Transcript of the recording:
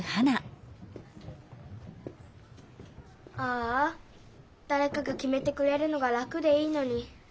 ああだれかがきめてくれるのが楽でいいのに。